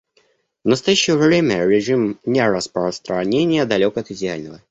В настоящее время режим нераспространения далек от идеального.